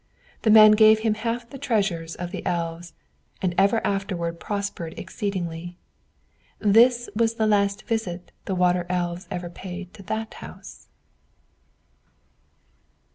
The man gave him half the treasures of the elves, and ever afterward prospered exceedingly. This was the last visit the water elves ever paid to that house.